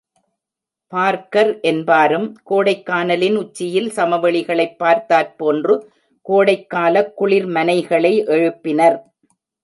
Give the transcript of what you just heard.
Parker என்பாரும், கோடைக்கானலின் உச்சியில், சமவெளிகளைப் பார்த்தாற் போன்று கோடைக் காலக் குளிர்மனைகளை எழுப்பினர்.